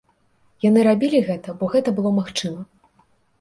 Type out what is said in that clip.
Яны рабілі гэта, бо гэта было магчыма.